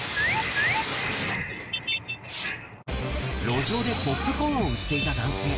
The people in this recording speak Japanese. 路上でポップコーンを売っていた男性。